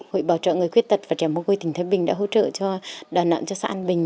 hội bảo trợ người khuyết tật và trẻ môi quê tỉnh thái bình đã hỗ trợ cho đàn nợn cho xã an bình